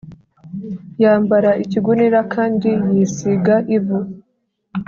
yambara ikigunira kandi yisiga ivu,